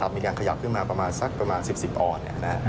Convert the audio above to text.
มีการขยับขึ้นมาประมาณสัก๑๐๑๐ออน